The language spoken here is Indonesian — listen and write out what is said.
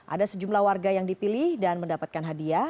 ada sejumlah warga yang dipilih dan mendapatkan hadiah